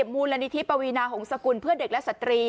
มูลณิธิประวีนะของสกุลเพื่อนเด็กและสตรี